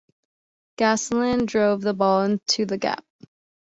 Goslin drove the ball into the gap.